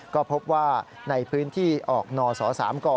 ก็พบว่าในพื้นที่ออกนส๓ก